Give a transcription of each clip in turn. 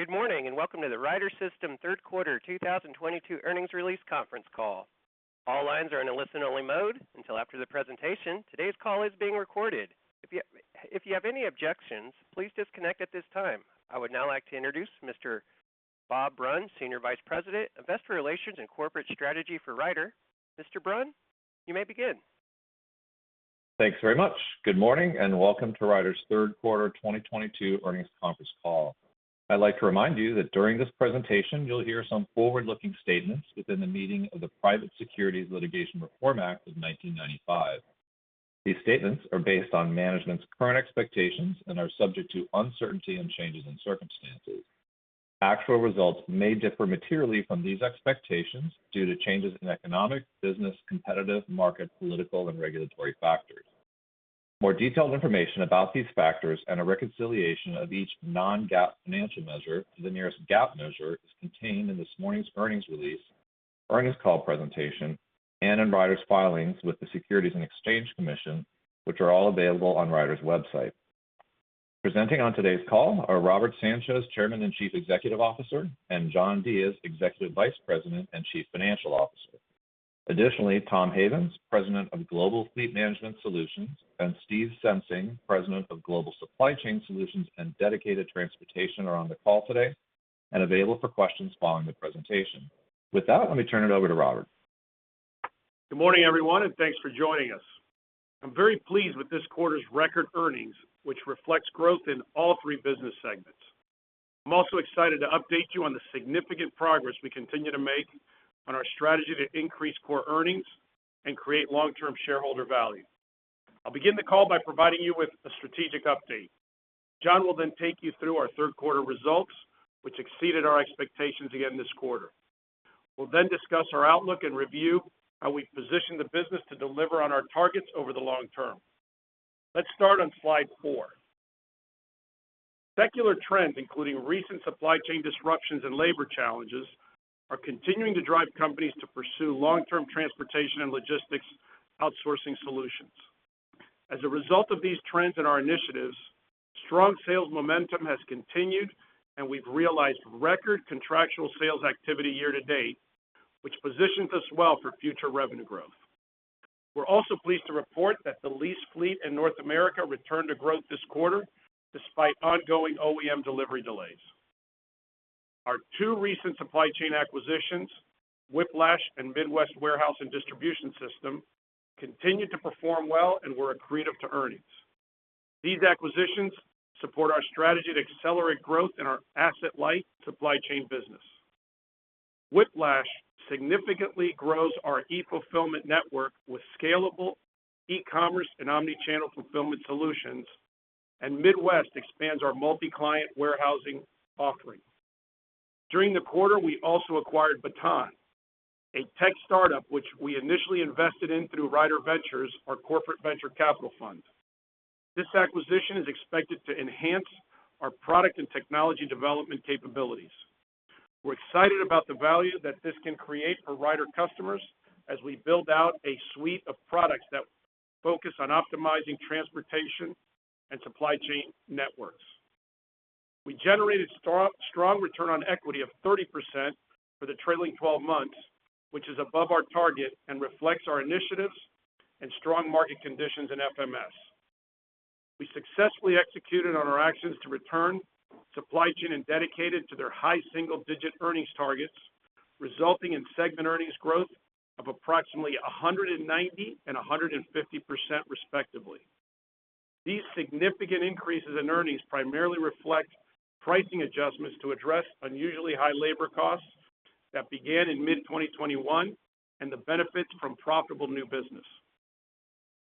Good morning, and welcome to the Ryder System third quarter 2022 earnings release conference call. All lines are in a listen-only mode until after the presentation. Today's call is being recorded. If you have any objections, please disconnect at this time. I would now like to introduce Mr. Bob Brunn, Senior Vice President, Investor Relations and Corporate Strategy for Ryder. Mr. Brunn, you may begin. Thanks very much. Good morning, and welcome to Ryder's third quarter 2022 earnings conference call. I'd like to remind you that during this presentation you'll hear some forward-looking statements within the meaning of the Private Securities Litigation Reform Act of 1995. These statements are based on management's current expectations and are subject to uncertainty and changes in circumstances. Actual results may differ materially from these expectations due to changes in economic, business, competitive, market, political, and regulatory factors. More detailed information about these factors and a reconciliation of each non-GAAP financial measure to the nearest GAAP measure is contained in this morning's earnings release, earnings call presentation, and in Ryder's filings with the Securities and Exchange Commission, which are all available on Ryder's website. Presenting on today's call are Robert Sanchez, Chairman and Chief Executive Officer, and John Diez, Executive Vice President and Chief Financial Officer. Additionally, Tom Havens, President of Global Fleet Management Solutions, and Steve Sensing, President of Global Supply Chain Solutions and Dedicated Transportation, are on the call today and available for questions following the presentation. With that, let me turn it over to Robert. Good morning, everyone, and thanks for joining us. I'm very pleased with this quarter's record earnings, which reflects growth in all three business segments. I'm also excited to update you on the significant progress we continue to make on our strategy to increase core earnings and create long-term shareholder value. I'll begin the call by providing you with a strategic update. John will then take you through our third quarter results, which exceeded our expectations again this quarter. We'll then discuss our outlook and review how we position the business to deliver on our targets over the long term. Let's start on slide 4. Secular trends, including recent supply chain disruptions and labor challenges, are continuing to drive companies to pursue long-term transportation and logistics outsourcing solutions. As a result of these trends and our initiatives, strong sales momentum has continued, and we've realized record contractual sales activity year to date, which positions us well for future revenue growth. We're also pleased to report that the lease fleet in North America returned to growth this quarter despite ongoing OEM delivery delays. Our two recent supply chain acquisitions, Whiplash and Midwest Warehouse & Distribution System, continued to perform well and were accretive to earnings. These acquisitions support our strategy to accelerate growth in our asset-light supply chain business. Whiplash significantly grows our e-fulfillment network with scalable e-commerce and omnichannel fulfillment solutions, and Midwest expands our multi-client warehousing offering. During the quarter, we also acquired Baton, a tech startup which we initially invested in through RyderVentures, our corporate venture capital fund. This acquisition is expected to enhance our product and technology development capabilities. We're excited about the value that this can create for Ryder customers as we build out a suite of products that focus on optimizing transportation and supply chain networks. We generated strong return on equity of 30% for the trailing twelve months, which is above our target and reflects our initiatives and strong market conditions in FMS. We successfully executed on our actions to return Supply Chain and Dedicated to their high single-digit earnings targets, resulting in segment earnings growth of approximately 190 and 150% respectively. These significant increases in earnings primarily reflect pricing adjustments to address unusually high labor costs that began in mid-2021 and the benefits from profitable new business.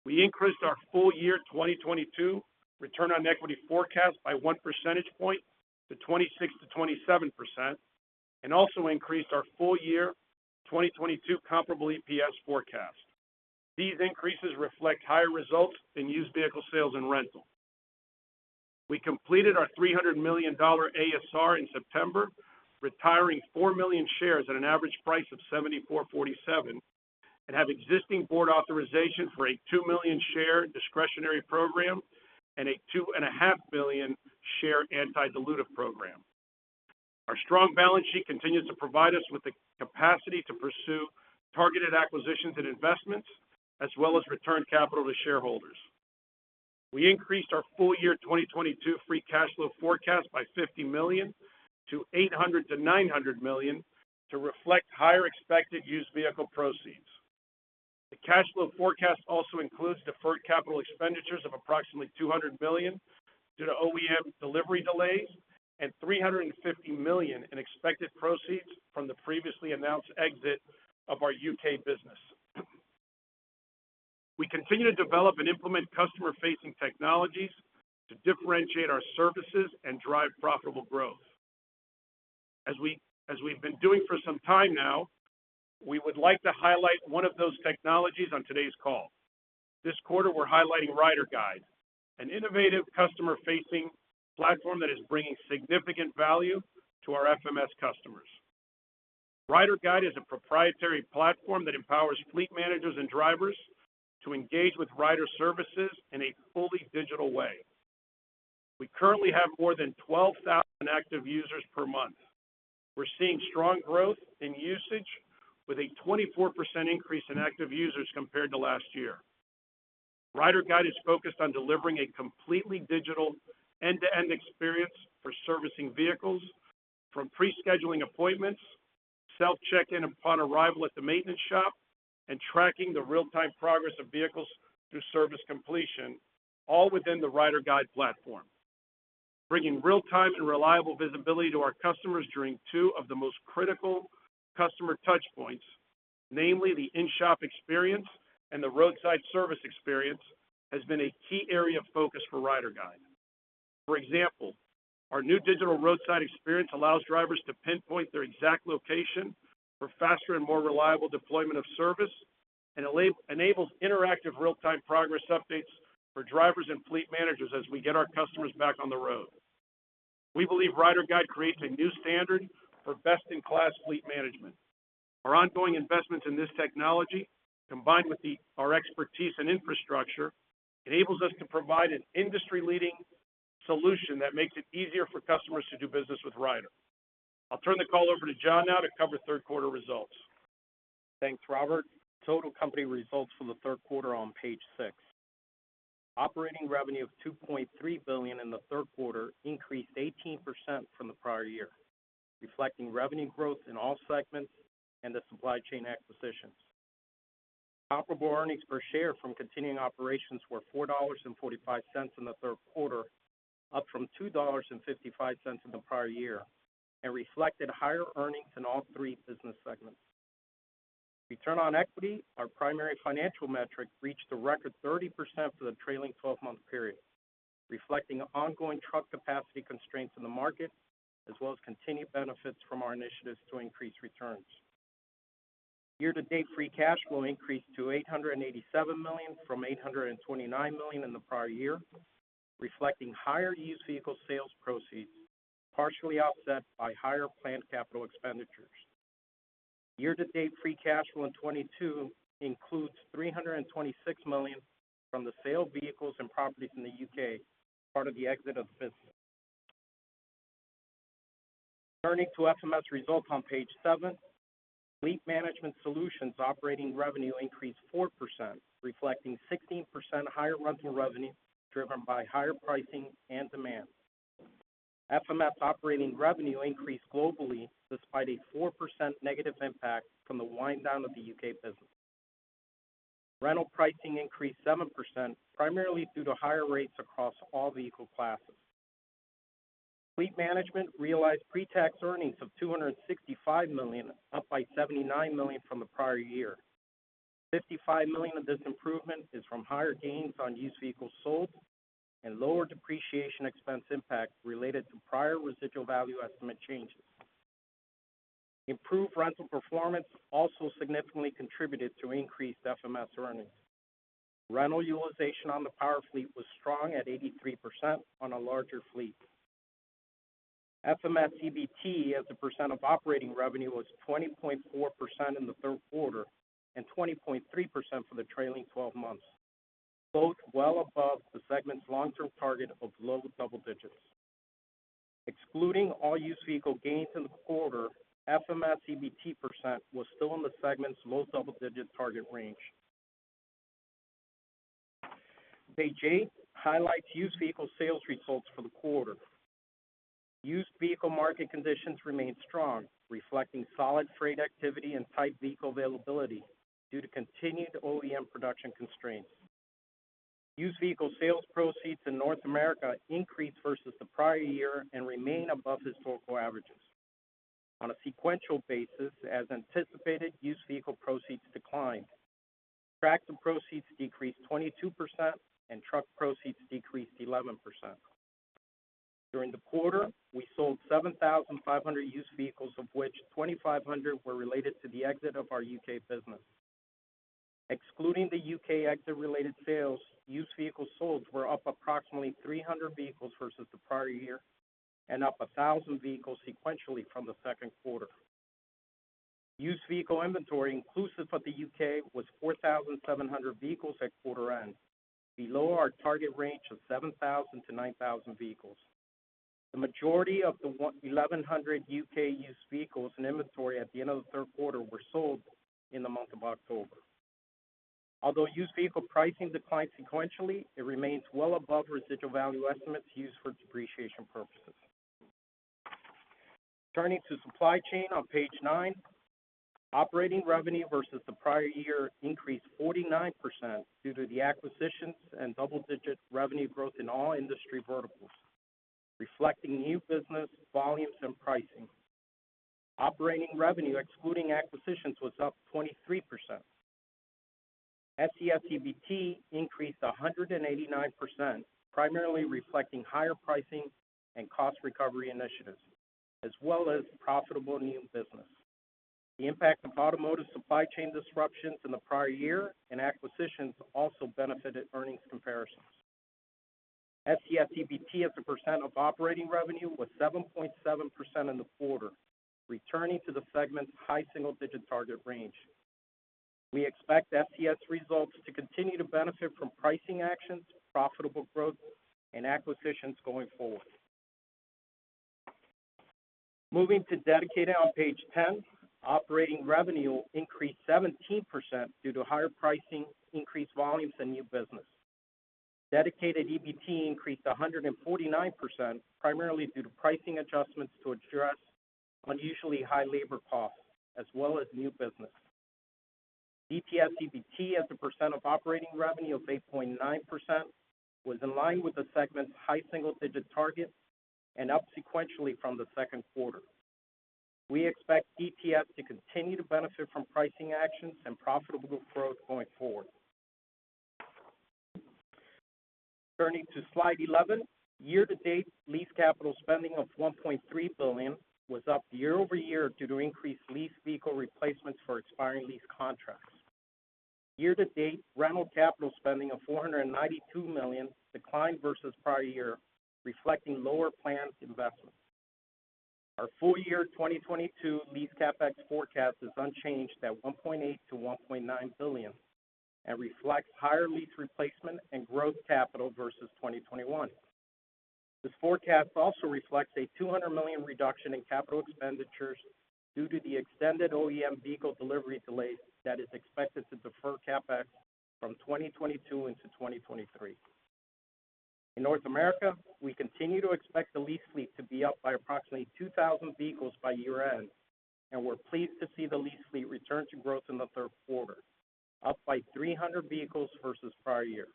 We increased our full year 2022 return on equity forecast by 1 percentage point to 26%-27% and also increased our full year 2022 comparable EPS forecast. These increases reflect higher results in used vehicle sales and rental. We completed our $300 million ASR in September, retiring 4 million shares at an average price of $74.47, and have existing board authorization for a 2 million share discretionary program and a 2.5 million share anti-dilutive program. Our strong balance sheet continues to provide us with the capacity to pursue targeted acquisitions and investments as well as return capital to shareholders. We increased our full year 2022 free cash flow forecast by $50 million to $800 million-$900 million to reflect higher expected used vehicle proceeds. The cash flow forecast also includes deferred capital expenditures of approximately $200 million due to OEM delivery delays and $350 million in expected proceeds from the previously announced exit of our UK business. We continue to develop and implement customer-facing technologies to differentiate our services and drive profitable growth. As we, as we've been doing for some time now, we would like to highlight one of those technologies on today's call. This quarter, we're highlighting RyderGyde, an innovative customer-facing platform that is bringing significant value to our FMS customers. RyderGyde is a proprietary platform that empowers fleet managers and drivers to engage with Ryder services in a fully digital way. We currently have more than 12,000 active users per month. We're seeing strong growth in usage with a 24% increase in active users compared to last year. RyderGyde is focused on delivering a completely digital end-to-end experience for servicing vehicles from pre-scheduling appointments, self-check-in upon arrival at the maintenance shop, and tracking the real-time progress of vehicles through service completion, all within the RyderGyde platform. Bringing real-time and reliable visibility to our customers during two of the most critical customer touch points, namely the in-shop experience and the roadside service experience, has been a key area of focus for RyderGyde. For example, our new digital roadside experience allows drivers to pinpoint their exact location for faster and more reliable deployment of service, and enables interactive real-time progress updates for drivers and fleet managers as we get our customers back on the road. We believe RyderGyde creates a new standard for best-in-class fleet management. Our ongoing investments in this technology, combined with our expertise and infrastructure, enables us to provide an industry-leading solution that makes it easier for customers to do business with Ryder. I'll turn the call over to John now to cover third quarter results. Thanks, Robert. Total company results for the third quarter are on page 6. Operating revenue of $2.3 billion in the third quarter increased 18% from the prior year, reflecting revenue growth in all segments and the supply chain acquisitions. Comparable earnings per share from continuing operations were $4.45 in the third quarter, up from $2.55 in the prior year, and reflected higher earnings in all three business segments. Return on equity, our primary financial metric, reached a record 30% for the trailing 12-month period, reflecting ongoing truck capacity constraints in the market, as well as continued benefits from our initiatives to increase returns. Year-to-date free cash flow increased to $887 million from $829 million in the prior year, reflecting higher used vehicle sales proceeds, partially offset by higher planned capital expenditures. Year-to-date free cash flow in 2022 includes $326 million from the sale of vehicles and properties in the UK, part of the exit of business. Turning to FMS results on page 7. Fleet Management Solutions operating revenue increased 4%, reflecting 16% higher rental revenue driven by higher pricing and demand. FMS operating revenue increased globally despite a 4% negative impact from the wind down of the UK business. Rental pricing increased 7%, primarily due to higher rates across all vehicle classes. Fleet Management realized pretax earnings of $265 million, up by $79 million from the prior year. $55 million of this improvement is from higher gains on used vehicles sold and lower depreciation expense impact related to prior residual value estimate changes. Improved rental performance also significantly contributed to increased FMS earnings. Rental utilization on the power fleet was strong at 83% on a larger fleet. FMS EBT as a percent of operating revenue was 20.4% in the third quarter and 20.3% for the trailing twelve months, both well above the segment's long-term target of low double digits. Excluding all used vehicle gains in the quarter, FMS EBT percent was still in the segment's low double-digit target range. Page eight highlights used vehicle sales results for the quarter. Used vehicle market conditions remained strong, reflecting solid freight activity and tight vehicle availability due to continued OEM production constraints. Used vehicle sales proceeds in North America increased versus the prior year and remain above historical averages. On a sequential basis, as anticipated, used vehicle proceeds declined. Tractor proceeds decreased 22%, and truck proceeds decreased 11%. During the quarter, we sold 7,500 used vehicles, of which 2,500 were related to the exit of our U.K. business. Excluding the U.K. exit-related sales, used vehicles sold were up approximately 300 vehicles versus the prior year and up 1,000 vehicles sequentially from the second quarter. Used vehicle inventory inclusive of the U.K. was 4,700 vehicles at quarter end, below our target range of 7,000-9,000 vehicles. The majority of the 1,100 U.K. used vehicles in inventory at the end of the third quarter were sold in the month of October. Although used vehicle pricing declined sequentially, it remains well above residual value estimates used for depreciation purposes. Turning to supply chain on page 9, operating revenue versus the prior year increased 49% due to the acquisitions and double-digit revenue growth in all industry verticals, reflecting new business, volumes, and pricing. Operating revenue excluding acquisitions was up 23%. SCS EBT increased 189%, primarily reflecting higher pricing and cost recovery initiatives, as well as profitable new business. The impact of automotive supply chain disruptions in the prior year and acquisitions also benefited earnings comparisons. SCS EBT as a percent of operating revenue was 7.7% in the quarter, returning to the segment's high single-digit target range. We expect SCS results to continue to benefit from pricing actions, profitable growth, and acquisitions going forward. Moving to Dedicated on page 10. Operating revenue increased 17% due to higher pricing, increased volumes, and new business. Dedicated EBT increased 149%, primarily due to pricing adjustments to address unusually high labor costs as well as new business. DTS EBT as a percent of operating revenue of 8.9% was in line with the segment's high single-digit target and up sequentially from the second quarter. We expect DTS to continue to benefit from pricing actions and profitable growth going forward. Turning to slide 11. Year-to-date lease capital spending of $1.3 billion was up year-over-year due to increased lease vehicle replacements for expiring lease contracts. Year-to-date rental capital spending of $492 million declined versus prior year, reflecting lower planned investments. Our full year 2022 lease CapEx forecast is unchanged at $1.8 billion-$1.9 billion and reflects higher lease replacement and growth capital versus 2021. This forecast also reflects a $200 million reduction in capital expenditures due to the extended OEM vehicle delivery delays that is expected to defer CapEx from 2022 into 2023. In North America, we continue to expect the lease fleet to be up by approximately 2,000 vehicles by year-end, and we're pleased to see the lease fleet return to growth in the third quarter, up by 300 vehicles versus prior year.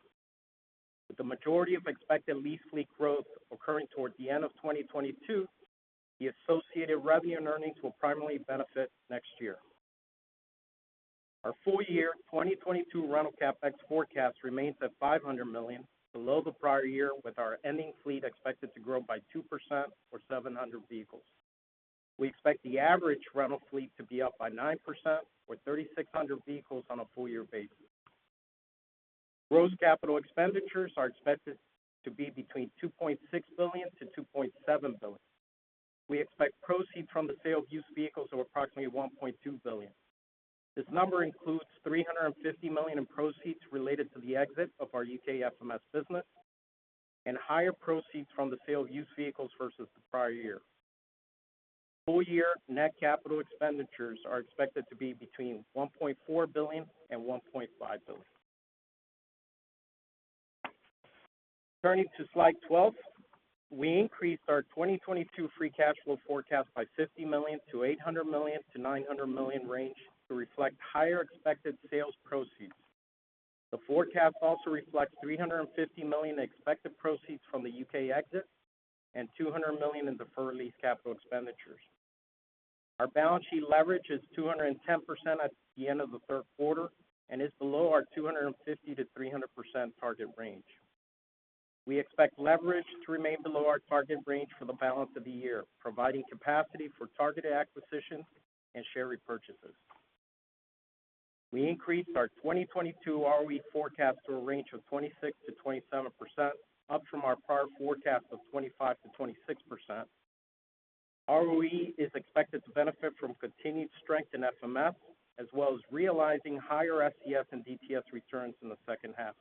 With the majority of expected lease fleet growth occurring toward the end of 2022, the associated revenue and earnings will primarily benefit next year. Our full year 2022 rental CapEx forecast remains at $500 million below the prior year, with our ending fleet expected to grow by 2% or 700 vehicles. We expect the average rental fleet to be up by 9% or 3,600 vehicles on a full year basis. Gross capital expenditures are expected to be between $2.6 billion-$2.7 billion. We expect proceeds from the sale of used vehicles of approximately $1.2 billion. This number includes $350 million in proceeds related to the exit of our UK FMS business and higher proceeds from the sale of used vehicles versus the prior year. Full year net capital expenditures are expected to be between $1.4 billion-$1.5 billion. Turning to slide 12. We increased our 2022 free cash flow forecast by $50 million to $800 million-$900 million range to reflect higher expected sales proceeds. The forecast also reflects $350 million expected proceeds from the UK exit and $200 million in deferred lease capital expenditures. Our balance sheet leverage is 210% at the end of the third quarter and is below our 250%-300% target range. We expect leverage to remain below our target range for the balance of the year, providing capacity for targeted acquisitions and share repurchases. We increased our 2022 ROE forecast to a range of 26%-27%, up from our prior forecast of 25%-26%. ROE is expected to benefit from continued strength in FMS, as well as realizing higher SCS and DTS returns in the second half.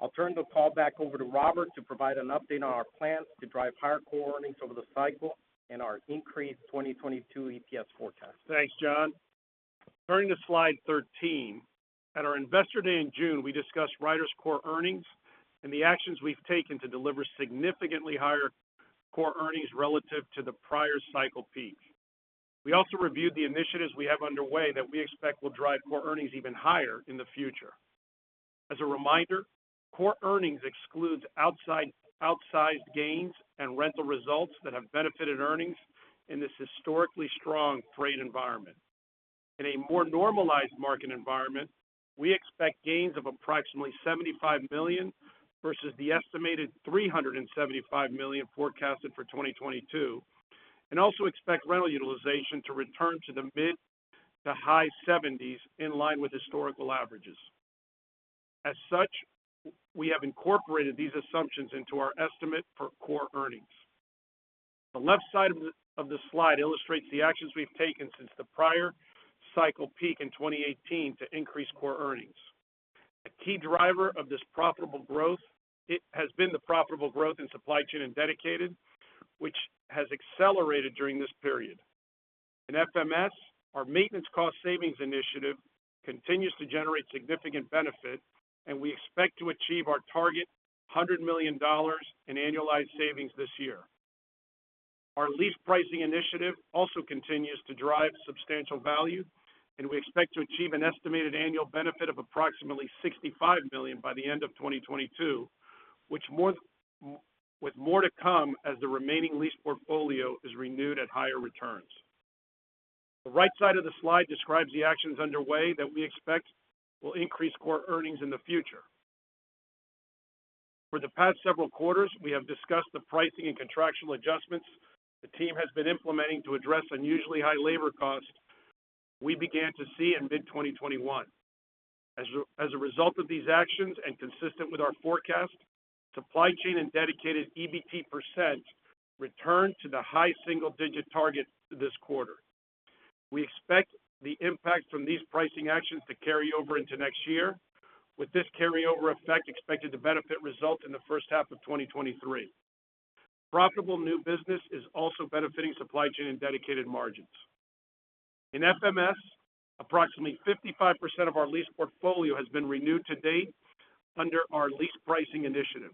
I'll turn the call back over to Robert to provide an update on our plans to drive higher core earnings over the cycle and our increased 2022 EPS forecast. Thanks, John. Turning to slide 13. At our Investor Day in June, we discussed Ryder's core earnings and the actions we've taken to deliver significantly higher core earnings relative to the prior cycle peak. We also reviewed the initiatives we have underway that we expect will drive core earnings even higher in the future. As a reminder, core earnings excludes outsized gains and rental results that have benefited earnings in this historically strong freight environment. In a more normalized market environment, we expect gains of approximately $75 million versus the estimated $375 million forecasted for 2022, and also expect rental utilization to return to the mid- to high 70s% in line with historical averages. As such, we have incorporated these assumptions into our estimate for core earnings. The left side of this slide illustrates the actions we've taken since the prior cycle peak in 2018 to increase core earnings. A key driver of this profitable growth, it has been the profitable growth in supply chain and dedicated, which has accelerated during this period. In FMS, our maintenance cost savings initiative continues to generate significant benefit, and we expect to achieve our target $100 million in annualized savings this year. Our lease pricing initiative also continues to drive substantial value, and we expect to achieve an estimated annual benefit of approximately $65 million by the end of 2022, which, with more to come as the remaining lease portfolio is renewed at higher returns. The right side of this slide describes the actions underway that we expect will increase core earnings in the future. For the past several quarters, we have discussed the pricing and contractual adjustments the team has been implementing to address unusually high labor costs. We began to see in mid-2021. As a result of these actions and consistent with our forecast, Supply Chain and Dedicated EBT % returned to the high single-digit target this quarter. We expect the impact from these pricing actions to carry over into next year, with this carryover effect expected to benefit results in the first half of 2023. Profitable new business is also benefiting Supply Chain and Dedicated margins. In FMS, approximately 55% of our lease portfolio has been renewed to date under our lease pricing initiative.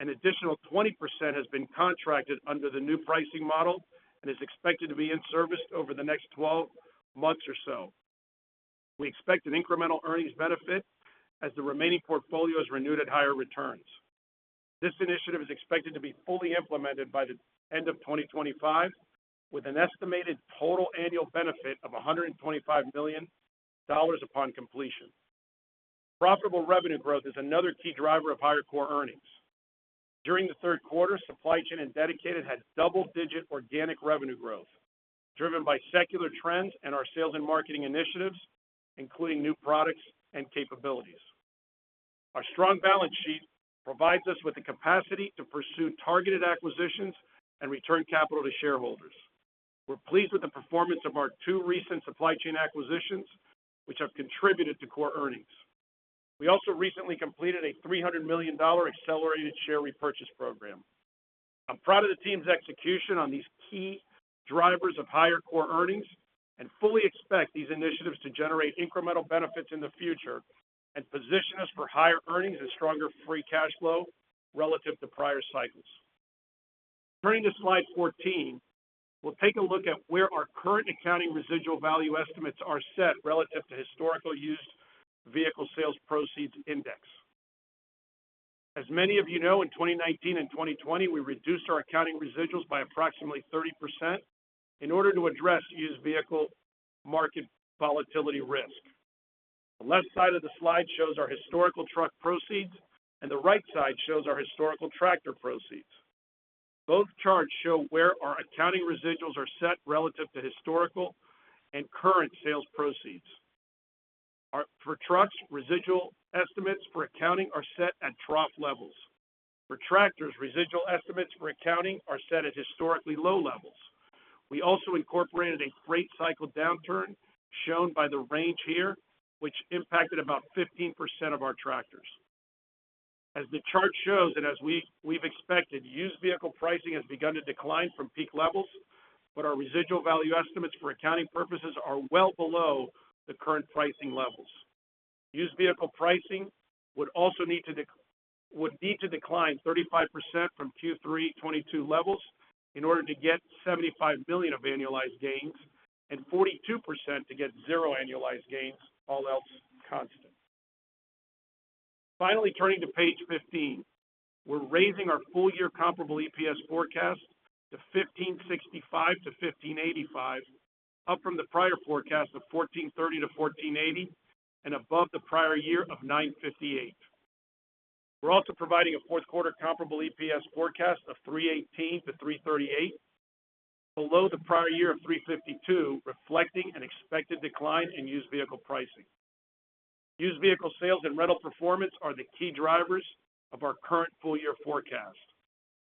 An additional 20% has been contracted under the new pricing model and is expected to be in service over the next 12 months or so. We expect an incremental earnings benefit as the remaining portfolio is renewed at higher returns. This initiative is expected to be fully implemented by the end of 2025, with an estimated total annual benefit of $125 million upon completion. Profitable revenue growth is another key driver of higher core earnings. During the third quarter, Supply Chain and Dedicated had double-digit organic revenue growth, driven by secular trends and our sales and marketing initiatives, including new products and capabilities. Our strong balance sheet provides us with the capacity to pursue targeted acquisitions and return capital to shareholders. We're pleased with the performance of our two recent Supply Chain acquisitions, which have contributed to core earnings. We also recently completed a $300 million accelerated share repurchase program. I'm proud of the team's execution on these key drivers of higher core earnings and fully expect these initiatives to generate incremental benefits in the future and position us for higher earnings and stronger free cash flow relative to prior cycles. Turning to slide 14, we'll take a look at where our current accounting residual value estimates are set relative to historical used vehicle sales proceeds index. As many of you know, in 2019 and 2020, we reduced our accounting residuals by approximately 30% in order to address used vehicle market volatility risk. The left side of the slide shows our historical truck proceeds, and the right side shows our historical tractor proceeds. Both charts show where our accounting residuals are set relative to historical and current sales proceeds. For trucks, residual estimates for accounting are set at trough levels. For tractors, residual estimates for accounting are set at historically low levels. We also incorporated a freight cycle downturn, shown by the range here, which impacted about 15% of our tractors. As the chart shows, and as we've expected, used vehicle pricing has begun to decline from peak levels, but our residual value estimates for accounting purposes are well below the current pricing levels. Used vehicle pricing would also need to decline 35% from Q3 2022 levels in order to get $75 million of annualized gains and 42% to get zero annualized gains, all else constant. Finally, turning to page 15. We're raising our full year comparable EPS forecast to $15.65-$15.85, up from the prior forecast of $14.30-$14.80 and above the prior year of $9.58. We're also providing a fourth quarter comparable EPS forecast of 3.18 to 3.38, below the prior year of 3.52, reflecting an expected decline in used vehicle pricing. Used vehicle sales and rental performance are the key drivers of our current full-year forecast.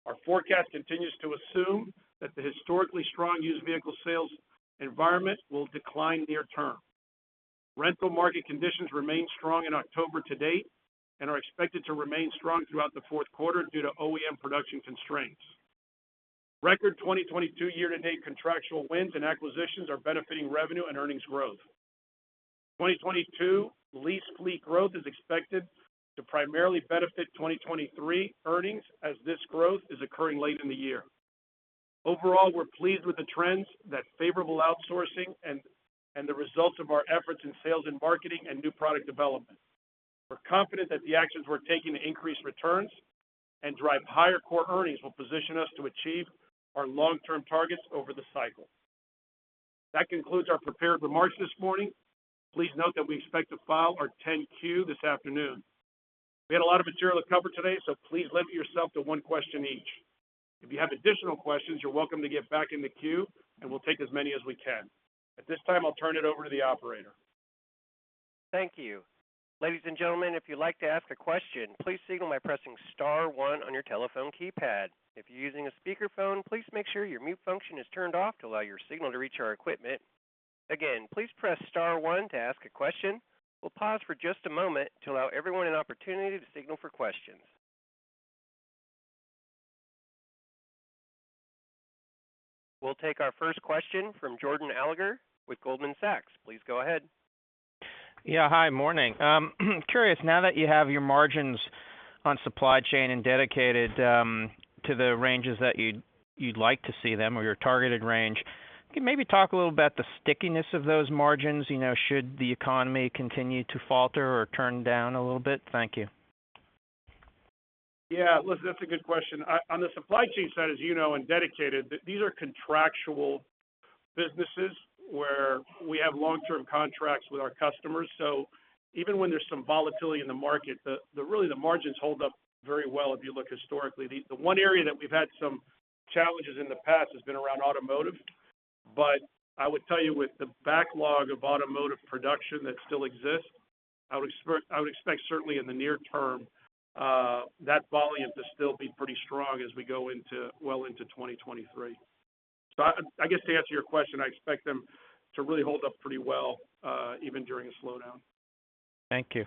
Our forecast continues to assume that the historically strong used vehicle sales environment will decline near term. Rental market conditions remained strong in October to date and are expected to remain strong throughout the fourth quarter due to OEM production constraints. Record 2022 year-to-date contractual wins and acquisitions are benefiting revenue and earnings growth. 2022 lease fleet growth is expected to primarily benefit 2023 earnings as this growth is occurring late in the year. Overall, we're pleased with the trends that favorable outsourcing and the results of our efforts in sales and marketing and new product development. We're confident that the actions we're taking to increase returns and drive higher core earnings will position us to achieve our long-term targets over the cycle. That concludes our prepared remarks this morning. Please note that we expect to file our 10-Q this afternoon. We had a lot of material to cover today, so please limit yourself to one question each. If you have additional questions, you're welcome to get back in the queue, and we'll take as many as we can. At this time, I'll turn it over to the operator. Thank you. Ladies and gentlemen, if you'd like to ask a question, please signal by pressing star one on your telephone keypad. If you're using a speakerphone, please make sure your mute function is turned off to allow your signal to reach our equipment. Again, please press star one to ask a question. We'll pause for just a moment to allow everyone an opportunity to signal for questions. We'll take our first question from Jordan Alliger with Goldman Sachs. Please go ahead. Yeah. Hi, morning. Curious, now that you have your margins on supply chain and dedicated, to the ranges that you'd like to see them or your targeted range, can you maybe talk a little about the stickiness of those margins, you know, should the economy continue to falter or turn down a little bit? Thank you. Yeah. Listen, that's a good question. On the supply chain side, as you know, and dedicated, these are contractual businesses where we have long-term contracts with our customers. So even when there's some volatility in the market, really the margins hold up very well if you look historically. The one area that we've had some challenges in the past has been around automotive. I would tell you with the backlog of automotive production that still exists, I would expect certainly in the near term that volume to still be pretty strong as we go into well into 2023. I guess to answer your question, I expect them to really hold up pretty well, even during a slowdown. Thank you.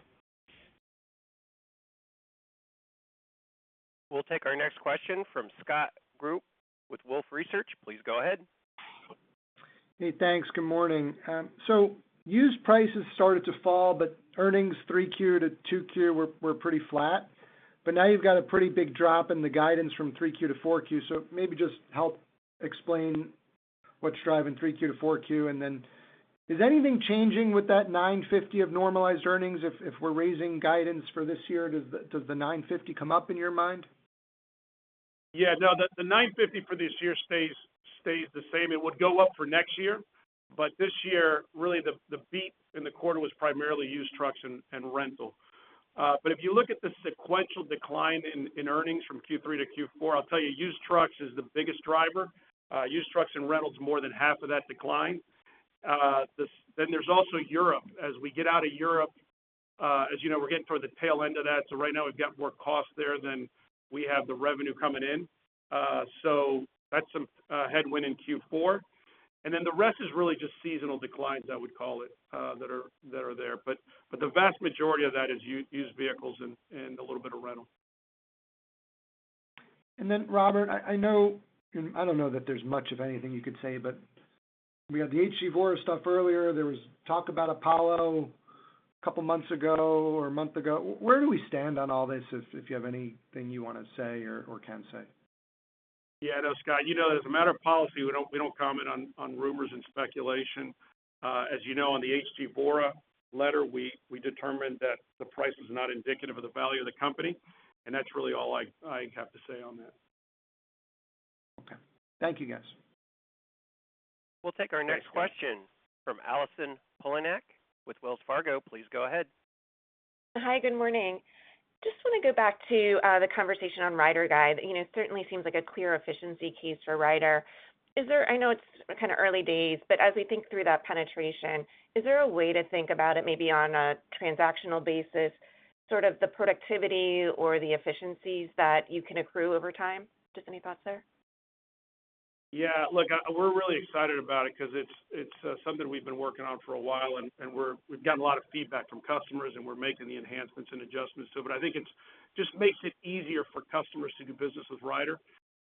We'll take our next question from Scott Group with Wolfe Research. Please go ahead. Hey, thanks. Good morning. Used prices started to fall, but earnings 3Q to 2Q were pretty flat. Now you've got a pretty big drop in the guidance from 3Q to 4Q. Maybe just help explain what's driving 3Q to 4Q. Then is anything changing with that $9.50 of normalized earnings if we're raising guidance for this year, does the $9.50 come up in your mind? Yeah. No, the $9.50 for this year stays the same. It would go up for next year. But this year, really the beat in the quarter was primarily used trucks and rental. But if you look at the sequential decline in earnings from Q3 to Q4, I'll tell you, used trucks is the biggest driver. Used trucks and rental is more than half of that decline. Then there's also Europe. As we get out of Europe, as you know, we're getting toward the tail end of that. So right now we've got more cost there than we have the revenue coming in. So that's some headwind in Q4. And then the rest is really just seasonal declines, I would call it, that are there. The vast majority of that is used vehicles and a little bit of rental. Robert, I know I don't know that there's much of anything you could say, but we had the HG Vora stuff earlier. There was talk about Apollo a couple months ago or a month ago. Where do we stand on all this, if you have anything you want to say or can say? Yeah. No, Scott, you know, as a matter of policy, we don't comment on rumors and speculation. As you know, on the HG Vora letter, we determined that the price was not indicative of the value of the company. That's really all I have to say on that. Okay. Thank you, guys. We'll take our next question from Allison Poliniak with Wells Fargo. Please go ahead. Hi, good morning. Just want to go back to the conversation on RyderGyde. You know, it certainly seems like a clear efficiency case for Ryder. I know it's kind of early days, but as we think through that penetration, is there a way to think about it maybe on a transactional basis, sort of the productivity or the efficiencies that you can accrue over time? Just any thoughts there? Yeah. Look, we're really excited about it because it's something we've been working on for a while, and we've gotten a lot of feedback from customers, and we're making the enhancements and adjustments. I think it just makes it easier for customers to do business with Ryder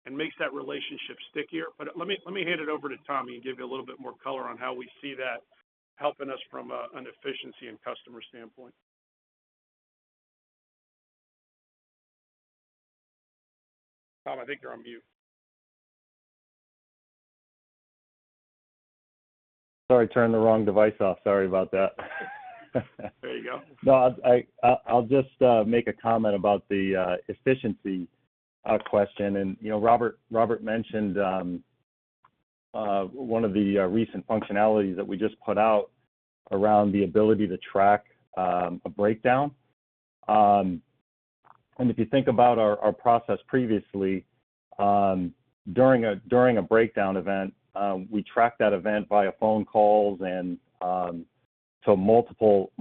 and makes that relationship stickier. But let me hand it over to Tom and give you a little bit more color on how we see that helping us from an efficiency and customer standpoint. Tom, I think you're on mute. Sorry, turned the wrong device off. Sorry about that. There you go. No, I'll just make a comment about the efficiency question. You know, Robert mentioned one of the recent functionalities that we just put out around the ability to track a breakdown. If you think about our process previously, during a breakdown event, we track that event via phone calls and so multiple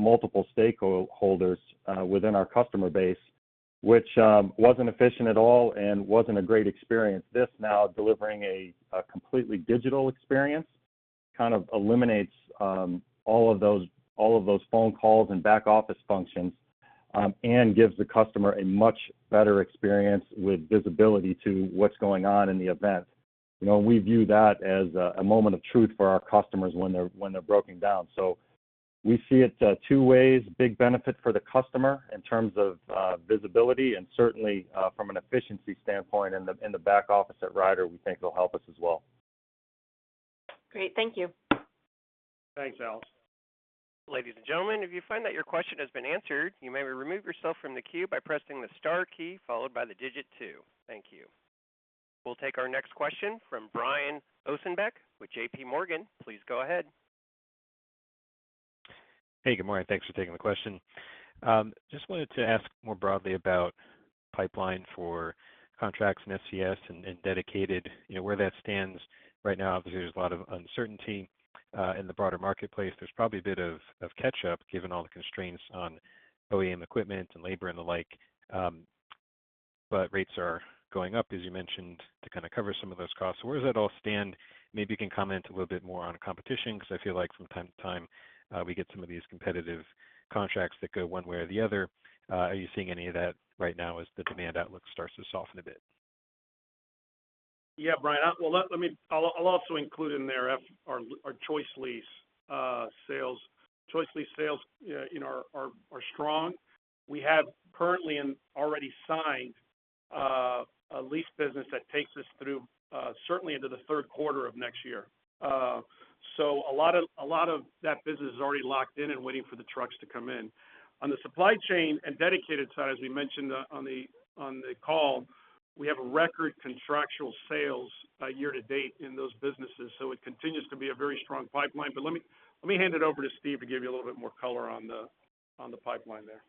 stakeholders within our customer base, which wasn't efficient at all and wasn't a great experience. This now delivering a completely digital experience kind of eliminates all of those phone calls and back-office functions and gives the customer a much better experience with visibility to what's going on in the event. You know, we view that as a moment of truth for our customers when they're broken down. We see it two ways, big benefit for the customer in terms of visibility and certainly from an efficiency standpoint in the back office at Ryder. We think it'll help us as well. Great. Thank you. Thanks, Allison. Ladies and gentlemen, if you find that your question has been answered, you may remove yourself from the queue by pressing the star key followed by the digit two. Thank you. We'll take our next question from Brian Ossenbeck with J.P. Morgan. Please go ahead. Hey, good morning. Thanks for taking the question. Just wanted to ask more broadly about pipeline for contracts and SCS and dedicated, you know, where that stands right now. Obviously, there's a lot of uncertainty in the broader marketplace. There's probably a bit of catch-up given all the constraints on OEM equipment and labor and the like. Rates are going up, as you mentioned, to kind of cover some of those costs. Where does that all stand? Maybe you can comment a little bit more on competition, because I feel like from time to time we get some of these competitive contracts that go one way or the other. Are you seeing any of that right now as the demand outlook starts to soften a bit? Yeah, Brian. Well, let me. I'll also include in there for our ChoiceLease sales. ChoiceLease sales, you know, are strong. We have currently already signed a lease business that takes us through certainly into the third quarter of next year. So a lot of that business is already locked in and waiting for the trucks to come in. On the supply chain and dedicated side, as we mentioned, on the call, we have a record contractual sales year to date in those businesses. So it continues to be a very strong pipeline. Let me hand it over to Steve to give you a little bit more color on the pipeline there.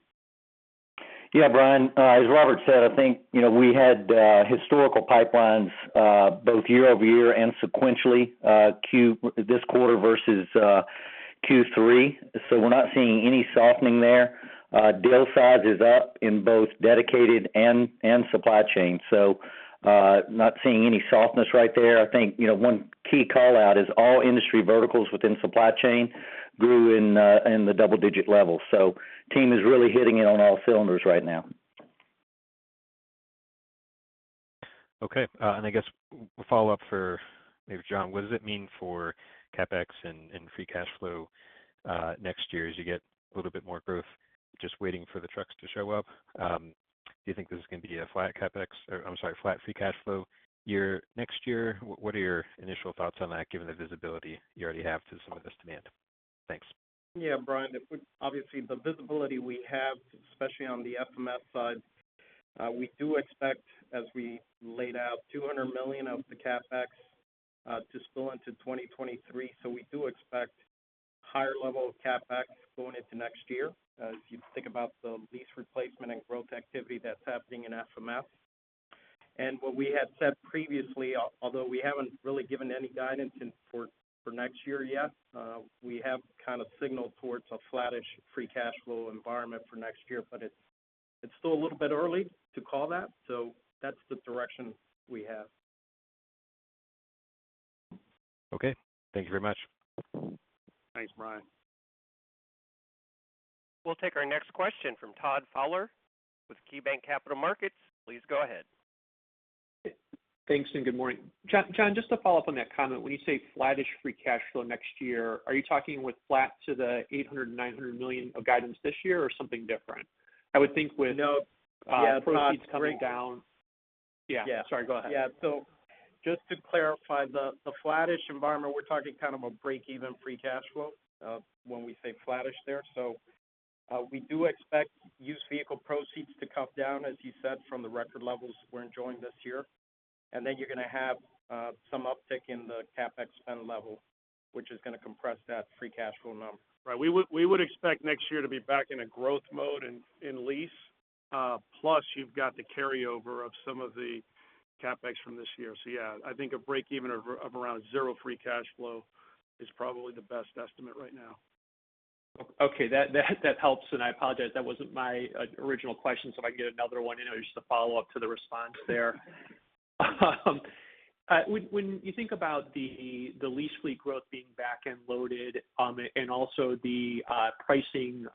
Yeah, Brian, as Robert said, I think, you know, we had historical pipelines both year-over-year and sequentially, this quarter versus Q3. We're not seeing any softening there. Deal size is up in both dedicated and supply chain. Not seeing any softness right there. I think, you know, one key call-out is all industry verticals within supply chain grew in the double-digit levels. Team is really hitting it on all cylinders right now. Okay. I guess follow-up for maybe John. What does it mean for CapEx and free cash flow next year as you get a little bit more growth just waiting for the trucks to show up? Do you think this is gonna be a flat CapEx or, I'm sorry, flat free cash flow year next year? What are your initial thoughts on that given the visibility you already have to some of this demand? Thanks. Yeah, Brian, obviously, the visibility we have, especially on the FMS side, we do expect, as we laid out, $200 million of the CapEx to spill into 2023. We do expect higher level of CapEx going into next year, if you think about the lease replacement and growth activity that's happening in FMS. What we had said previously, although we haven't really given any guidance for next year yet, we have kind of signaled towards a flattish free cash flow environment for next year. It's still a little bit early to call that, so that's the direction we have. Okay. Thank you very much. Thanks, Brian. We'll take our next question from Todd Fowler with KeyBanc Capital Markets. Please go ahead. Thanks, and good morning. John, just to follow up on that comment, when you say flattish free cash flow next year, are you talking with flat to the $800-$900 million of guidance this year or something different? I would think with- No. Yeah, Todd, great. Proceeds coming down. Yeah. Yeah. Sorry. Go ahead. Yeah. Just to clarify, the flattish environment, we're talking kind of a break-even free cash flow when we say flattish there. We do expect used vehicle proceeds to come down, as you said, from the record levels we're enjoying this year. You're gonna have some uptick in the CapEx spend level, which is gonna compress that free cash flow number. Right. We would expect next year to be back in a growth mode in lease. Plus you've got the carryover of some of the CapEx from this year. Yeah, I think a break even of around zero free cash flow is probably the best estimate right now. Okay, that helps, and I apologize, that wasn't my original question. If I can get another one in just to follow up to the response there. When you think about the lease fleet growth being back-end loaded, and also the pricing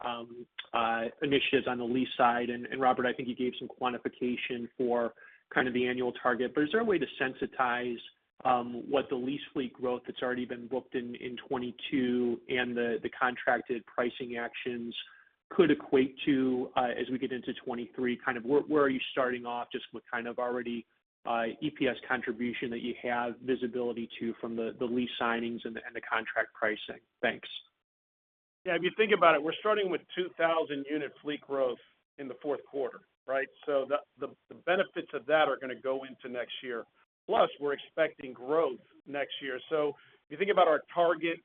initiatives on the lease side, and Robert, I think you gave some quantification for kind of the annual target. Is there a way to sensitize what the lease fleet growth that's already been booked in 2022 and the contracted pricing actions could equate to as we get into 2023? Kind of where are you starting off just with kind of already EPS contribution that you have visibility to from the lease signings and the contract pricing? Thanks. Yeah, if you think about it, we're starting with 2,000-unit fleet growth in the fourth quarter, right? The benefits of that are gonna go into next year. Plus, we're expecting growth next year. If you think about our target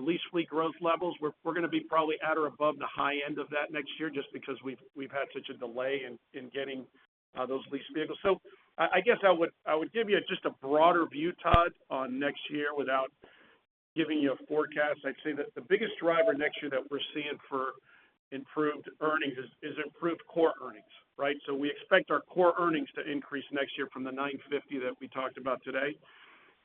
lease fleet growth levels, we're gonna be probably at or above the high end of that next year just because we've had such a delay in getting those lease vehicles. I guess I would give you just a broader view, Todd, on next year without giving you a forecast. I'd say that the biggest driver next year that we're seeing for improved earnings is improved core earnings, right? We expect our core earnings to increase next year from the $950 that we talked about today.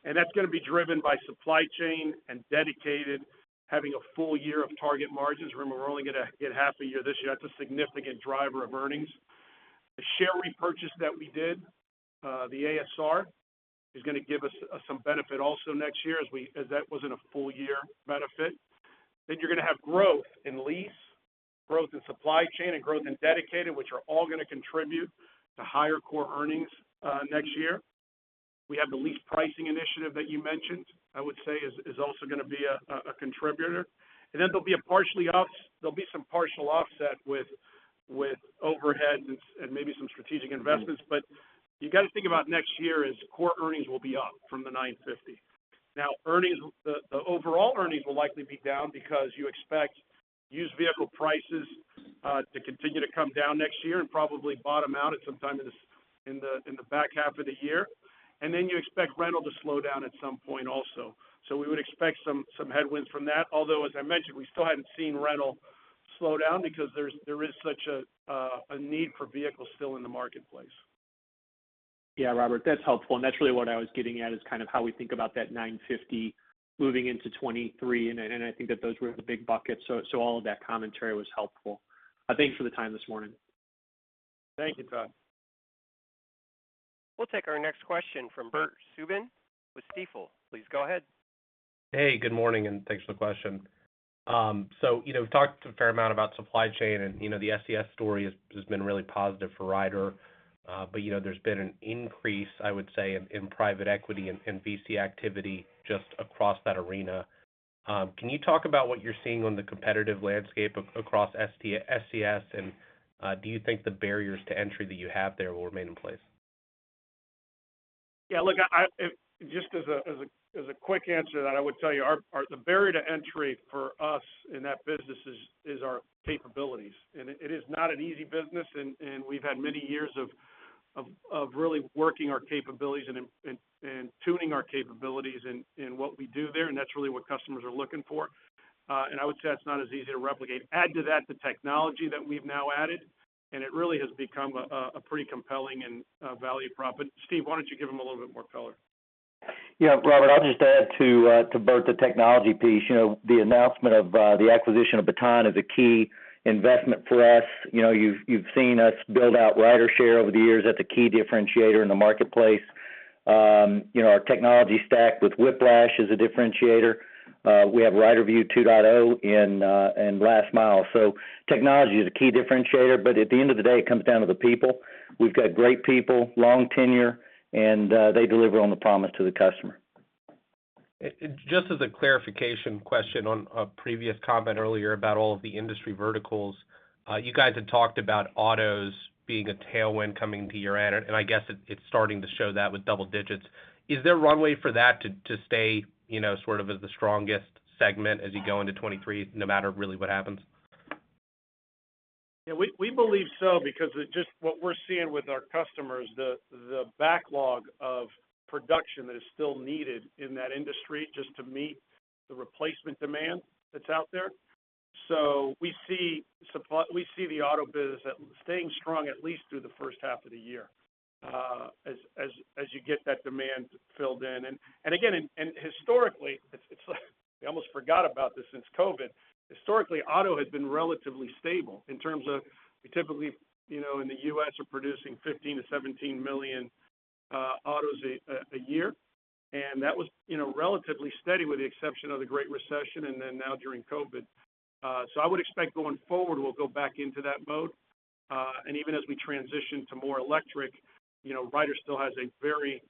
That's gonna be driven by supply chain and dedicated, having a full year of target margins. Remember, we're only gonna get half a year this year. That's a significant driver of earnings. The share repurchase that we did, the ASR, is gonna give us some benefit also next year as that wasn't a full year benefit. You're gonna have growth in lease, growth in supply chain, and growth in dedicated, which are all gonna contribute to higher core earnings next year. We have the lease pricing initiative that you mentioned, I would say is also gonna be a contributor. There'll be some partial offset with overhead and maybe some strategic investments. You got to think about next year as core earnings will be up from the $9.50. Now, earnings the overall earnings will likely be down because you expect used vehicle prices to continue to come down next year and probably bottom out at some time in the back half of the year. You expect rental to slow down at some point also. We would expect some headwinds from that. Although, as I mentioned, we still haven't seen rental slow down because there is such a need for vehicles still in the marketplace. Yeah, Robert, that's helpful. That's really what I was getting at, is kind of how we think about that $950 moving into 2023, and I think that those were the big buckets. All of that commentary was helpful. Thanks for the time this morning. Thank you, Todd. We'll take our next question from Bert Subin with Stifel. Please go ahead. Hey, good morning, and thanks for the question. You know, we've talked a fair amount about supply chain and, you know, the SCS story has been really positive for Ryder. You know, there's been an increase, I would say, in private equity and VC activity just across that arena. Can you talk about what you're seeing on the competitive landscape across SCS, and do you think the barriers to entry that you have there will remain in place? I just as a quick answer that I would tell you, the barrier to entry for us in that business is our capabilities. It is not an easy business, and we've had many years of really working our capabilities and tuning our capabilities in what we do there, and that's really what customers are looking for. I would say that's not as easy to replicate. Add to that the technology that we've now added, and it really has become a pretty compelling and a value prop. Steve, why don't you give them a little bit more color? Yeah, Robert, I'll just add to Bert the technology piece. You know, the announcement of the acquisition of Baton is a key investment for us. You know, you've seen us build out RyderShare over the years. That's a key differentiator in the marketplace. You know, our technology stack with Whiplash is a differentiator. We have RyderView 2.0 in last mile. Technology is a key differentiator, but at the end of the day, it comes down to the people. We've got great people, long tenure, and they deliver on the promise to the customer. Just as a clarification question on a previous comment earlier about all of the industry verticals. You guys had talked about autos being a tailwind coming into your end, and I guess it's starting to show that with double digits. Is there runway for that to stay, you know, sort of as the strongest segment as you go into 2023, no matter really what happens? Yeah. We believe so because what we're seeing with our customers, the backlog of production that is still needed in that industry just to meet the replacement demand that's out there. We see the auto business staying strong at least through the first half of the year, as you get that demand filled in. Again, historically, it's like we almost forgot about this since COVID. Historically, auto has been relatively stable in terms of we typically, you know, in the U.S., are producing 15-17 million autos a year. That was, you know, relatively steady with the exception of the Great Recession and then now during COVID. I would expect going forward, we'll go back into that mode. Even as we transition to more electric, you know, Ryder still has a very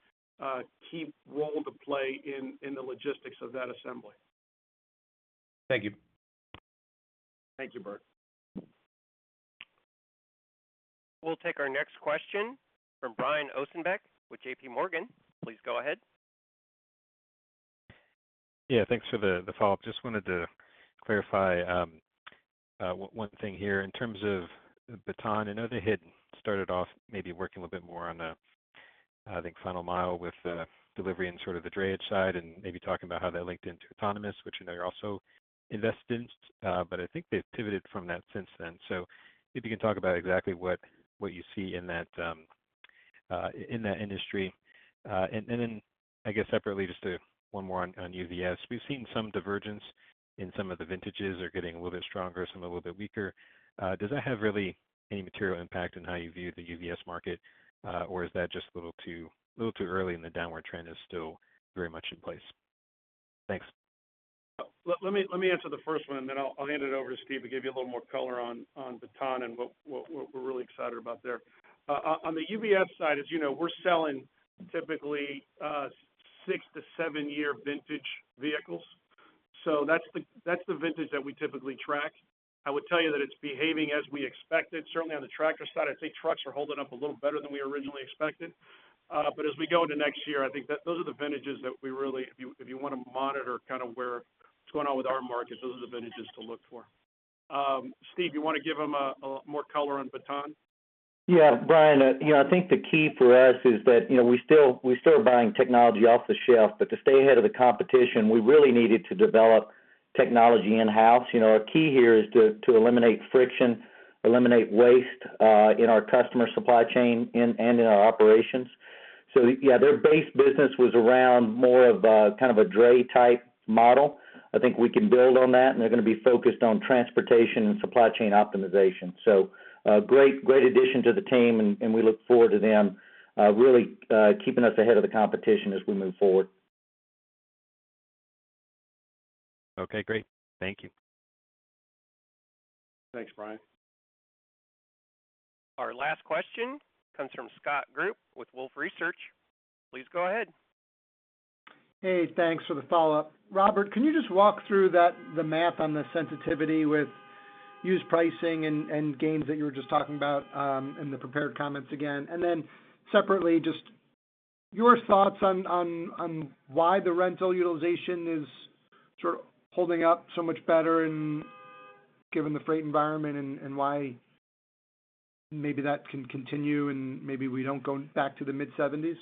key role to play in the logistics of that assembly. Thank you. Thank you, Bert. We'll take our next question from Brian Ossenbeck with J.P. Morgan. Please go ahead. Yeah, thanks for the follow-up. Just wanted to clarify one thing here. In terms of Baton, I know they had started off maybe working a little bit more on the, I think, final mile with the delivery and sort of the drayage side and maybe talking about how that linked into autonomous, which I know you're also invested in, but I think they've pivoted from that since then. If you can talk about exactly what you see in that industry. And then I guess separately, just one more on UVS. We've seen some divergence in some of the vintages are getting a little bit stronger, some a little bit weaker. Does that have really any material impact on how you view the UVS market, or is that just a little too early and the downward trend is still very much in place? Thanks. Let me answer the first one, and then I'll hand it over to Steve to give you a little more color on Baton and what we're really excited about there. On the UVS side, as you know, we're selling typically 6- to 7-year vintage vehicles. So that's the vintage that we typically track. I would tell you that it's behaving as we expected. Certainly, on the tractor side, I'd say trucks are holding up a little better than we originally expected. But as we go into next year, I think that those are the vintages that we really, if you want to monitor kind of where what's going on with our markets, those are the vintages to look for. Steve, you want to give them a more color on Baton? Yeah. Brian, you know, I think the key for us is that, you know, we still are buying technology off the shelf, but to stay ahead of the competition, we really needed to develop technology in-house. You know, our key here is to eliminate friction, eliminate waste in our customer supply chain and in our operations. Yeah, their base business was around more of a kind of a drayage type model. I think we can build on that, and they're going to be focused on transportation and supply chain optimization. A great addition to the team, and we look forward to them really keeping us ahead of the competition as we move forward. Okay, great. Thank you. Thanks, Brian. Our last question comes from Scott Group with Wolfe Research. Please go ahead. Hey, thanks for the follow-up. Robert, can you just walk through that, the math on the sensitivity with used pricing and gains that you were just talking about in the prepared comments again? Separately, just your thoughts on why the rental utilization is sort of holding up so much better given the freight environment and why maybe that can continue and maybe we don't go back to the mid-seventies.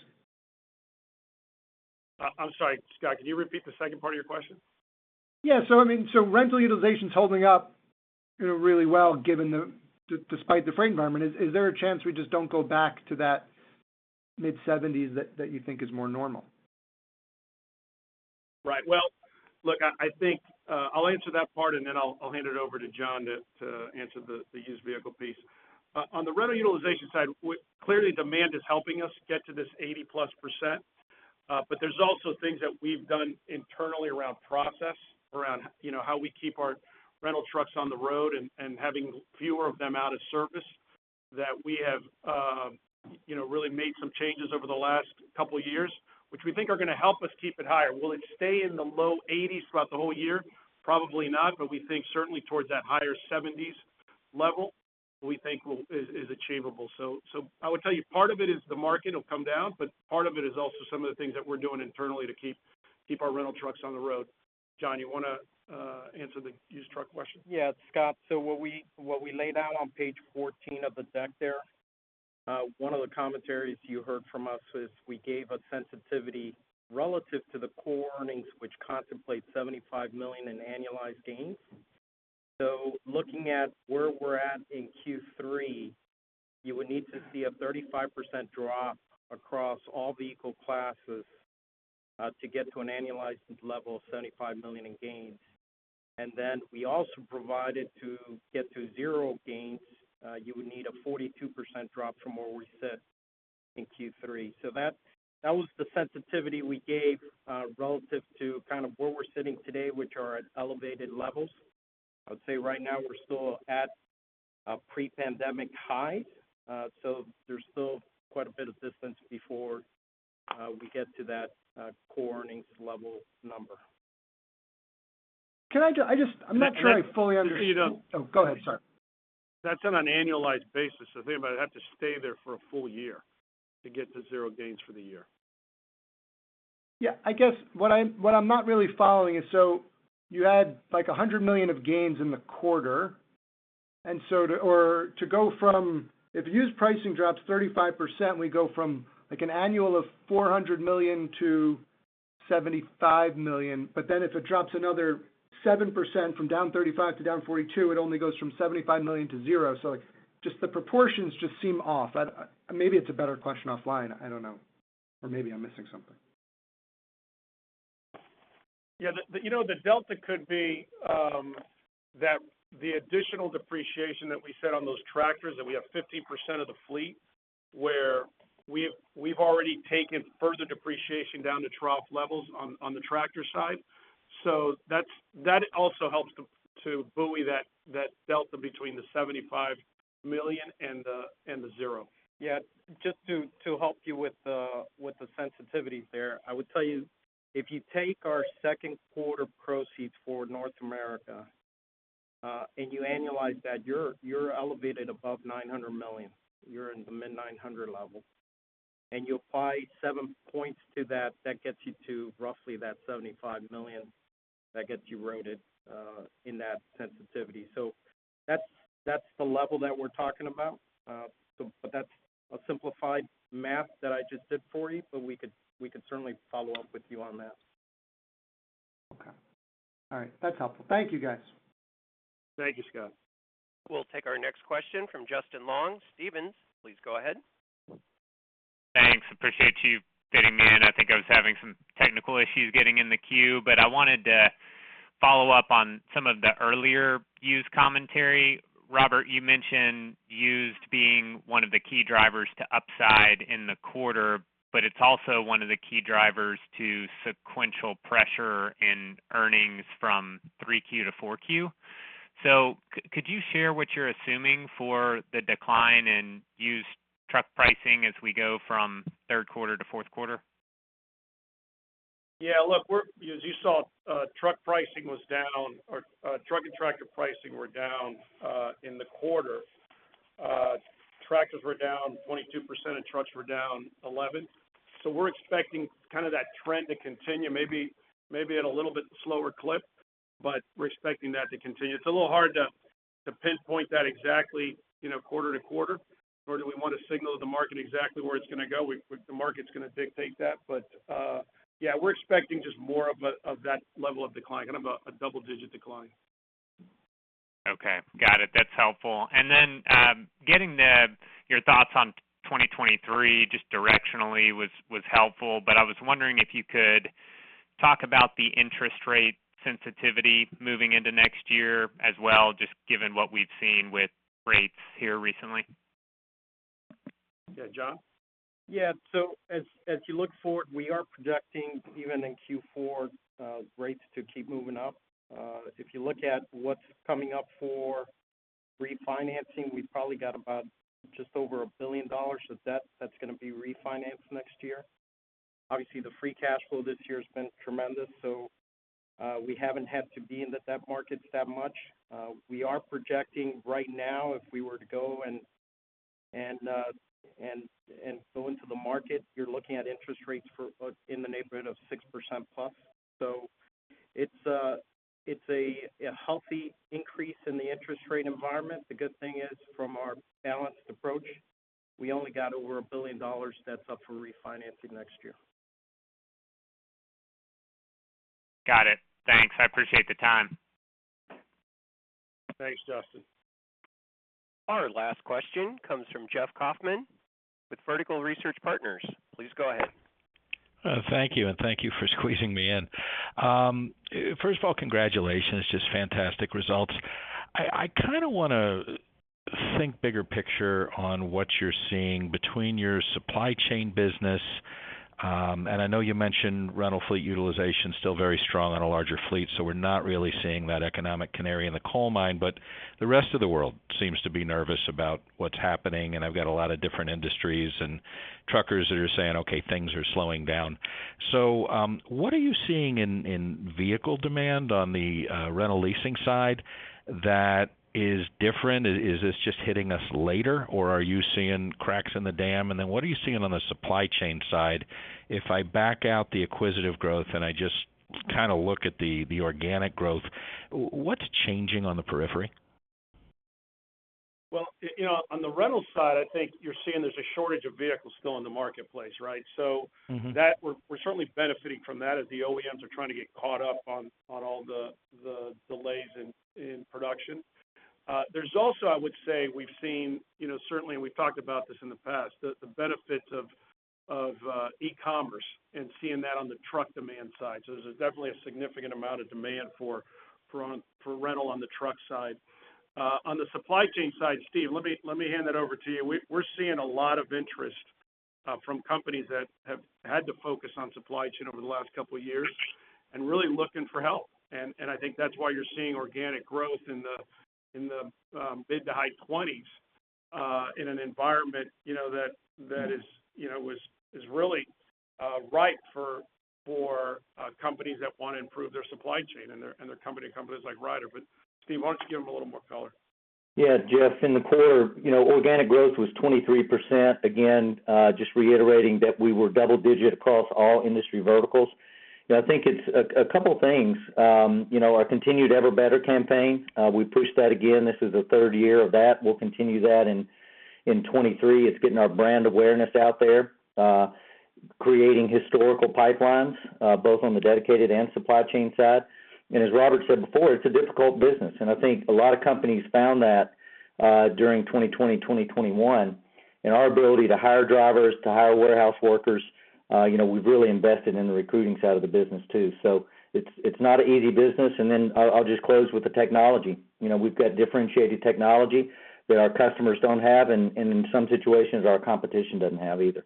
I'm sorry, Scott, can you repeat the second part of your question? Yeah. I mean, rental utilization is holding up, you know, really well given the, despite the freight environment. Is there a chance we just don't go back to that mid-70s that you think is more normal? Right. Well, look, I think I'll answer that part, and then I'll hand it over to John to answer the used vehicle piece. On the rental utilization side, clearly demand is helping us get to this 80%+. But there's also things that we've done internally around process, around, you know, how we keep our rental trucks on the road and having fewer of them out of service than we have, you know, really made some changes over the last couple of years, which we think are going to help us keep it higher. Will it stay in the low 80s throughout the whole year? Probably not, but we think certainly towards that higher 70s level we think is achievable. I would tell you part of it is the market will come down, but part of it is also some of the things that we're doing internally to keep our rental trucks on the road. John, you wanna answer the used truck question? Yeah, Scott. What we laid out on page 14 of the deck there, one of the commentaries you heard from us is we gave a sensitivity relative to the core earnings, which contemplate $75 million in annualized gains. Looking at where we're at in Q3, you would need to see a 35% drop across all vehicle classes to get to an annualized level of $75 million in gains. We also provided to get to zero gains, you would need a 42% drop from where we sit in Q3. That was the sensitivity we gave relative to kind of where we're sitting today, which are at elevated levels. I would say right now we're still at a pre-pandemic high, so there's still quite a bit of distance before we get to that core earnings level number. I'm not sure I fully understand. Just so you know. Oh, go ahead, sorry. That's on an annualized basis, so they might have to stay there for a full year to get to zero gains for the year. Yeah. I guess what I'm not really following is you had like $100 million of gains in the quarter, and so, or to go from, if used pricing drops 35%, we go from like an annual of $400 million to $75 million. Then if it drops another 7% from down 35% to down 42%, it only goes from $75 million to $0. Like, the proportions just seem off. Maybe it's a better question offline, I don't know. Maybe I'm missing something. Yeah. You know, the delta could be that the additional depreciation that we set on those tractors, that we have 15% of the fleet, where we've already taken further depreciation down to trough levels on the tractor side. So that's that also helps to buoy that delta between the $75 million and the $0. Yeah. Just to help you with the sensitivity there, I would tell you, if you take our second quarter proceeds for North America and you annualize that, you're elevated above $900 million. You're in the mid-900 level. You apply 7 points to that gets you to roughly that $75 million that gets eroded in that sensitivity. That's the level that we're talking about. That's a simplified math that I just did for you, but we could certainly follow up with you on that. Okay. All right. That's helpful. Thank you, guys. Thank you, Scott. We'll take our next question from Justin Long. Stephens, please go ahead. Thanks. Appreciate you fitting me in. I think I was having some technical issues getting in the queue. I wanted to follow up on some of the earlier used commentary. Robert, you mentioned used being one of the key drivers to upside in the quarter, but it's also one of the key drivers to sequential pressure in earnings from 3Q to 4Q. Could you share what you're assuming for the decline in used truck pricing as we go from third quarter to fourth quarter? Yeah. Look, as you saw, truck and tractor pricing were down in the quarter. Tractors were down 22% and trucks were down 11%. We're expecting kind of that trend to continue maybe at a little bit slower clip, but we're expecting that to continue. It's a little hard to pinpoint that exactly, you know, quarter to quarter, nor do we want to signal the market exactly where it's gonna go. The market's gonna dictate that. Yeah, we're expecting just more of that level of decline, kind of a double-digit decline. Okay. Got it. That's helpful. Getting your thoughts on 2023 just directionally was helpful, but I was wondering if you could talk about the interest rate sensitivity moving into next year as well, just given what we've seen with rates here recently. Yeah. John? Yeah. As you look forward, we are projecting even in Q4 rates to keep moving up. If you look at what's coming up for refinancing, we've probably got about just over $1 billion of debt that's gonna be refinanced next year. Obviously, the free cash flow this year has been tremendous, so we haven't had to be in the debt markets that much. We are projecting right now, if we were to go and go into the market, you're looking at interest rates in the neighborhood of 6%+. It's a healthy increase in the interest rate environment. The good thing is from our balanced approach, we only got over $1 billion that's up for refinancing next year. Got it. Thanks. I appreciate the time. Thanks, Justin. Our last question comes from Jeffrey Kauffman with Vertical Research Partners. Please go ahead. Thank you, and thank you for squeezing me in. First of all, congratulations. Just fantastic results. I kind of wanna think bigger picture on what you're seeing between your supply chain business, and I know you mentioned rental fleet utilization still very strong on a larger fleet, so we're not really seeing that economic canary in the coal mine. But the rest of the world seems to be nervous about what's happening, and I've got a lot of different industries and truckers that are saying, "Okay, things are slowing down." What are you seeing in vehicle demand on the rental leasing side that is different? Is this just hitting us later, or are you seeing cracks in the dam? And then what are you seeing on the supply chain side? If I back out the acquisitive growth and I just kind of look at the organic growth, what's changing on the periphery? Well, you know, on the rental side, I think you're seeing there's a shortage of vehicles still in the marketplace, right? Mm-hmm. That we're certainly benefiting from that as the OEMs are trying to get caught up on all the delays in production. There's also, I would say, we've seen, you know, certainly, and we've talked about this in the past, the benefits of e-commerce and seeing that on the truck demand side. There's definitely a significant amount of demand for rental on the truck side. On the supply chain side, Steve, let me hand that over to you. We're seeing a lot of interest from companies that have had to focus on supply chain over the last couple of years and really looking for help, and I think that's why you're seeing organic growth in the mid- to high 20s% in an environment, you know, that is really ripe for companies that want to improve their supply chain and their companies like Ryder. Steve, why don't you give them a little more color? Yeah, Jeff. In the quarter, you know, organic growth was 23%. Again, just reiterating that we were double-digit across all industry verticals. You know, I think it's a couple things. You know, our continued Ever Better campaign, we pushed that again, this is the third year of that. We'll continue that in 2023. It's getting our brand awareness out there, creating historical pipelines, both on the dedicated and supply chain side. As Robert said before, it's a difficult business. I think a lot of companies found that during 2020, 2021. Our ability to hire drivers, to hire warehouse workers, you know, we've really invested in the recruiting side of the business too. It's not an easy business. I'll just close with the technology. You know, we've got differentiated technology that our customers don't have, and in some situations our competition doesn't have either.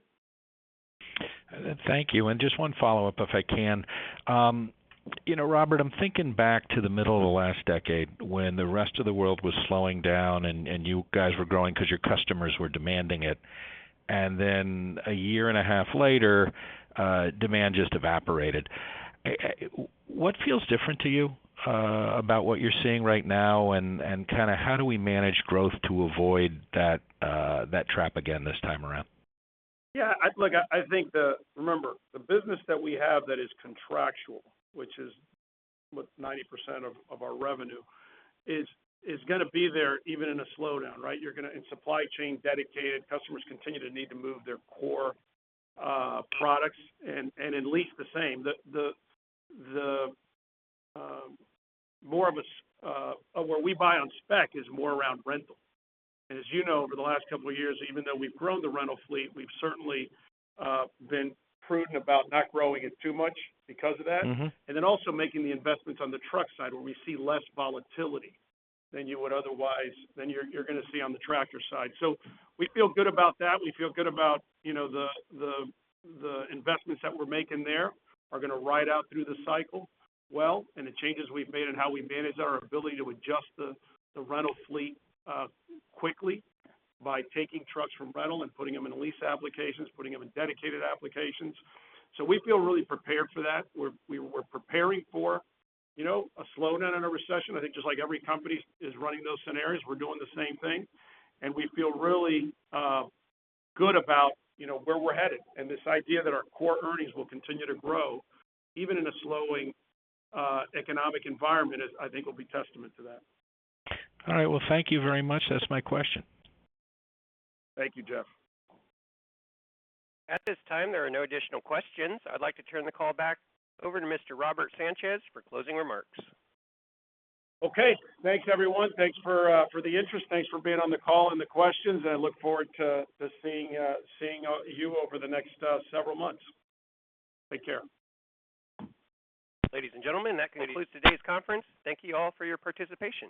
Thank you. Just one follow-up if I can. You know, Robert, I'm thinking back to the middle of the last decade when the rest of the world was slowing down and you guys were growing because your customers were demanding it. Then a year and a half later, demand just evaporated. What feels different to you about what you're seeing right now, and kind of how do we manage growth to avoid that trap again this time around? Yeah, look, I think. Remember, the business that we have that is contractual, which is what 90% of our revenue is gonna be there even in a slowdown, right? You're gonna in Supply Chain, Dedicated, customers continue to need to move their core products and in lease the same. The more of a where we buy on spec is more around rental. As you know, over the last couple of years, even though we've grown the rental fleet, we've certainly been prudent about not growing it too much because of that. Mm-hmm. Then also making the investments on the truck side where we see less volatility than you would otherwise, than you're gonna see on the tractor side. We feel good about that. We feel good about, you know, the investments that we're making there are gonna ride out through the cycle well. The changes we've made in how we manage our ability to adjust the rental fleet quickly by taking trucks from rental and putting them in lease applications, putting them in dedicated applications. We feel really prepared for that. We're preparing for, you know, a slowdown and a recession. I think just like every company is running those scenarios, we're doing the same thing. We feel really good about, you know, where we're headed. This idea that our core earnings will continue to grow, even in a slowing economic environment is, I think, will be testament to that. All right. Well, thank you very much. That's my question. Thank you, Jeff. At this time, there are no additional questions. I'd like to turn the call back over to Mr. Robert Sanchez for closing remarks. Okay. Thanks everyone. Thanks for the interest. Thanks for being on the call and the questions, and I look forward to seeing you over the next several months. Take care. Ladies and gentlemen, that concludes today's conference. Thank you all for your participation.